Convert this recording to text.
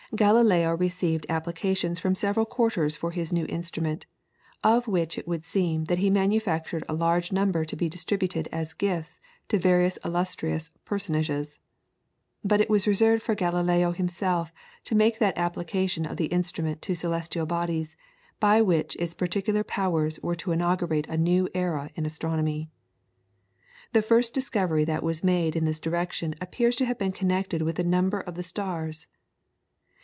Galileo received applications from several quarters for his new instrument, of which it would seem that he manufactured a large number to be distributed as gifts to various illustrious personages. But it was reserved for Galileo himself to make that application of the instrument to the celestial bodies by which its peculiar powers were to inaugurate the new era in astronomy. The first discovery that was made in this direction appears to have been connected with the number of the stars.